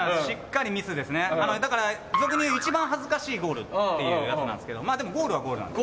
だから俗に言う一番恥ずかしいゴールっていうやつなんですけどまあでもゴールはゴールなので。